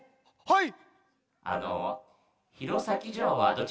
はい。